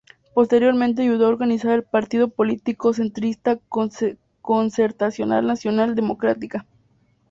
Posteriormente ayudó a organizar el partido político centrista Concertación Nacional Democrática.